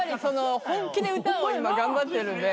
本気で歌を今頑張ってるんで。